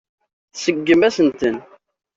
Tseggmem-asen-ten.